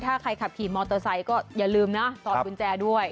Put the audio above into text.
ถ้าใครขับขี่มอเตอร์ไซค์ก็อย่าลืมนะถอดกุญแจด้วย